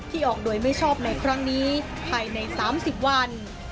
ออกโดยไม่ชอบในครั้งนี้ภายใน๓๐วัน